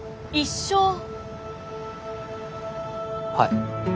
はい。